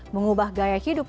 mengubah gaya hidupnya